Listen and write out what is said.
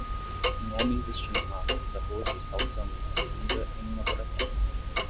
Um homem vestindo uma camisa roxa está usando uma seringa em um laboratório.